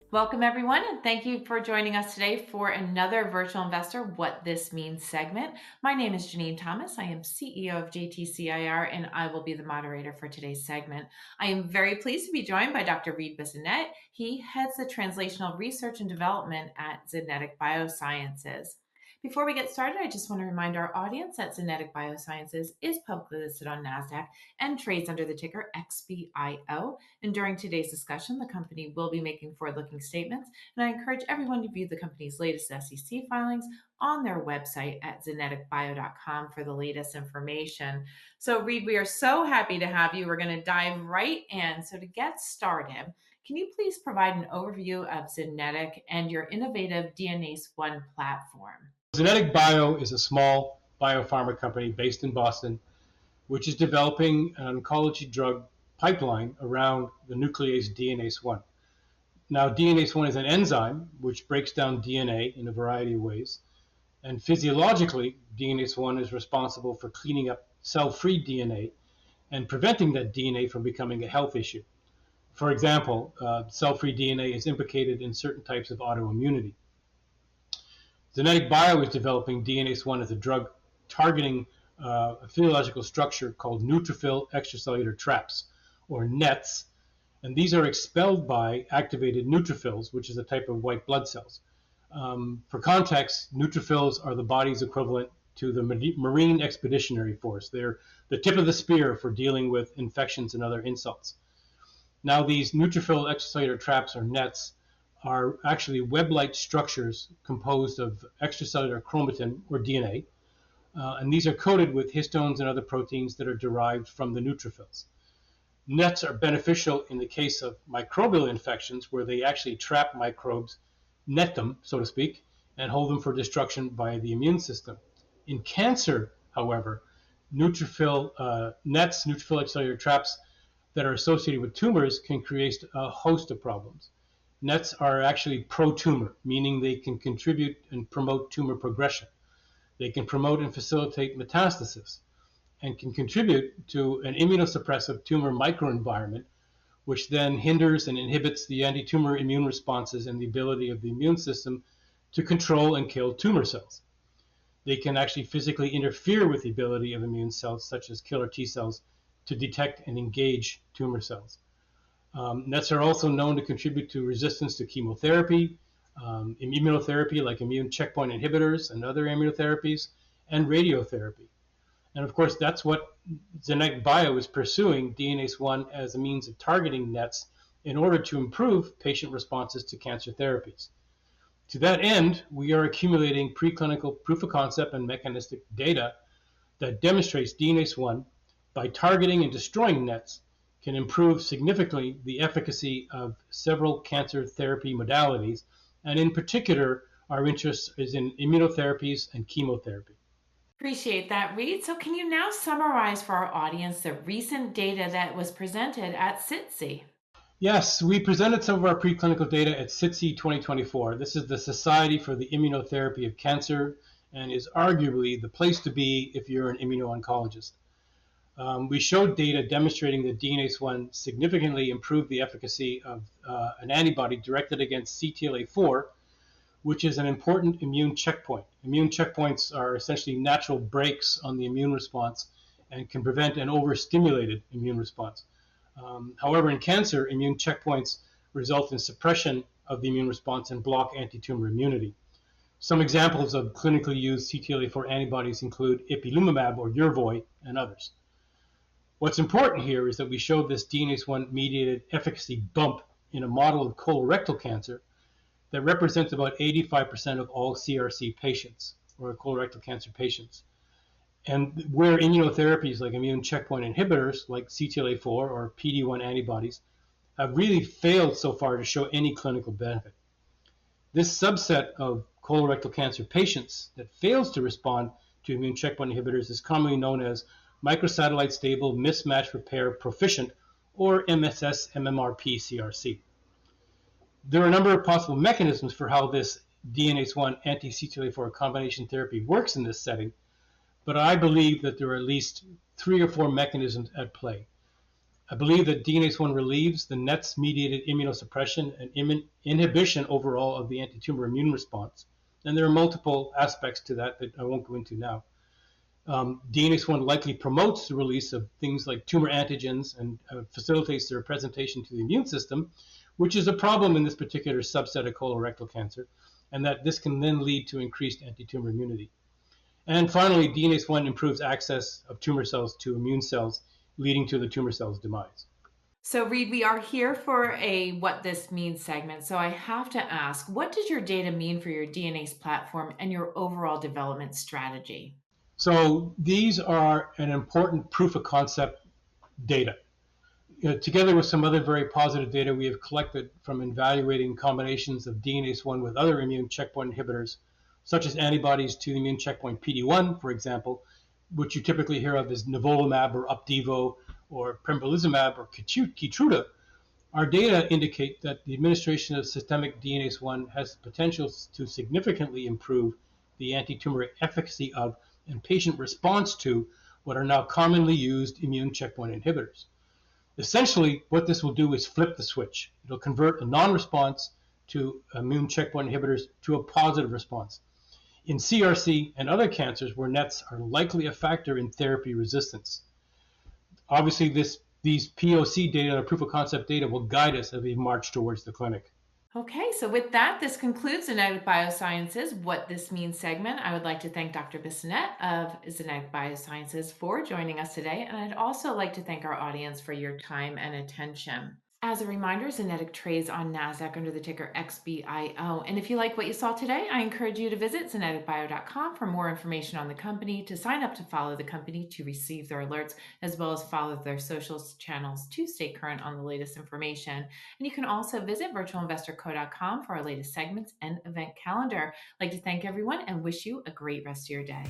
Welcome, everyone, and thank you for joining us today for another Virtual Investor: What This Means segment. My name is Janine Thomas. I am CEO of JTC IR, and I will be the moderator for today's segment. I am very pleased to be joined by Dr. Reid Bissonnette. He heads the Translational Research and Development at Xenetic Biosciences. Before we get started, I just want to remind our audience that Xenetic Biosciences is publicly listed on NASDAQ and trades under the ticker XBIO, and during today's discussion, the company will be making forward-looking statements, and I encourage everyone to view the company's latest SEC filings on their website at xeneticbio.com for the latest information. So, Reid, we are so happy to have you. We're going to dive right in, so to get started, can you please provide an overview of Xenetic and your innovative DNase I platform? Xenetic Bio is a small biopharma company based in Boston, which is developing an oncology drug pipeline around the nuclease DNase I. Now, DNase I is an enzyme which breaks down DNA in a variety of ways. And physiologically, DNase I is responsible for cleaning up cell-free DNA and preventing that DNA from becoming a health issue. For example, cell-free DNA is implicated in certain types of autoimmunity. Xenetic Bio is developing DNase I as a drug targeting a physiological structure called neutrophil extracellular traps, or NETs. And these are expelled by activated neutrophils, which is a type of white blood cells. For context, neutrophils are the body's equivalent to the Marine Expeditionary Force. They're the tip of the spear for dealing with infections and other insults. Now, these neutrophil extracellular traps, or NETs, are actually web-like structures composed of extracellular chromatin, or DNA. And these are coated with histones and other proteins that are derived from the neutrophils. NETs are beneficial in the case of microbial infections, where they actually trap microbes, net them, so to speak, and hold them for destruction by the immune system. In cancer, however, NETs, neutrophil extracellular traps that are associated with tumors can create a host of problems. NETs are actually pro-tumor, meaning they can contribute and promote tumor progression. They can promote and facilitate metastasis and can contribute to an immunosuppressive tumor microenvironment, which then hinders and inhibits the anti-tumor immune responses and the ability of the immune system to control and kill tumor cells. They can actually physically interfere with the ability of immune cells, such as killer T cells, to detect and engage tumor cells. NETs are also known to contribute to resistance to chemotherapy, immunotherapy like immune checkpoint inhibitors and other immunotherapies, and radiotherapy. And of course, that's what Xenetic Biosciences is pursuing: DNase I as a means of targeting NETs in order to improve patient responses to cancer therapies. To that end, we are accumulating preclinical proof of concept and mechanistic data that demonstrates DNase I, by targeting and destroying NETs, can improve significantly the efficacy of several cancer therapy modalities. And in particular, our interest is in immunotherapies and chemotherapy. Appreciate that, Reid. So can you now summarize for our audience the recent data that was presented at SITC? Yes. We presented some of our preclinical data at SITC 2024. This is the Society for the Immunotherapy of Cancer and is arguably the place to be if you're an immuno-oncologist. We showed data demonstrating that DNase I significantly improved the efficacy of an antibody directed against CTLA-4, which is an important immune checkpoint. Immune checkpoints are essentially natural brakes on the immune response and can prevent an overstimulated immune response. However, in cancer, immune checkpoints result in suppression of the immune response and block anti-tumor immunity. Some examples of clinically used CTLA-4 antibodies include ipilimumab, or Yervoy, and others. What's important here is that we showed this DNase I-mediated efficacy bump in a model of colorectal cancer that represents about 85% of all CRC patients, or colorectal cancer patients. And where immunotherapies like immune checkpoint inhibitors, like CTLA-4 or PD-1 antibodies, have really failed so far to show any clinical benefit. This subset of colorectal cancer patients that fails to respond to immune checkpoint inhibitors is commonly known as microsatellite stable mismatch repair proficient, or MSS-MMRP-CRC. There are a number of possible mechanisms for how this DNase I anti-CTLA-4 combination therapy works in this setting, but I believe that there are at least three or four mechanisms at play. I believe that DNase I relieves the NETs-mediated immunosuppression and inhibition overall of the anti-tumor immune response. And there are multiple aspects to that that I won't go into now. DNase I likely promotes the release of things like tumor antigens and facilitates their presentation to the immune system, which is a problem in this particular subset of colorectal cancer, and that this can then lead to increased anti-tumor immunity. Finally, DNase I improves access of tumor cells to immune cells, leading to the tumor cells' demise. So, Reid, we are here for a What This Means segment. So I have to ask, what does your data mean for your DNase platform and your overall development strategy? These are an important proof of concept data. Together with some other very positive data we have collected from evaluating combinations of DNase I with other immune checkpoint inhibitors, such as antibodies to immune checkpoint PD-1, for example, which you typically hear of as nivolumab, or Opdivo, or pembrolizumab, or Keytruda, our data indicate that the administration of systemic DNase I has the potential to significantly improve the anti-tumor efficacy of and patient response to what are now commonly used immune checkpoint inhibitors. Essentially, what this will do is flip the switch. It'll convert a nonresponse to immune checkpoint inhibitors to a positive response in CRC and other cancers where NETs are likely a factor in therapy resistance. Obviously, these POC data and proof of concept data will guide us as we march towards the clinic. Okay. So with that, this concludes Xenetic Biosciences' What This Means segment. I would like to thank Dr. Bissonnette of Xenetic Biosciences for joining us today. And I'd also like to thank our audience for your time and attention. As a reminder, Xenetic trades on NASDAQ under the ticker XBIO. And if you like what you saw today, I encourage you to visit xeneticbio.com for more information on the company, to sign up to follow the company to receive their alerts, as well as follow their social channels to stay current on the latest information. And you can also visit virtualinvestorco.com for our latest segments and event calendar. I'd like to thank everyone and wish you a great rest of your day.